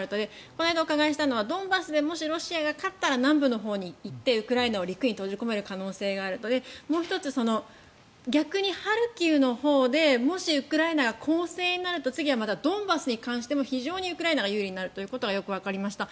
この前お伺いしたのはドンバスでもしロシアが勝ったら南部のほうに行ってウクライナを陸に閉じ込める可能性があるのでもう１つ逆にハルキウのほうでもしウクライナが攻勢になると次はまたドンバスに関しても非常にウクライナが有利になるということはよくわかりました。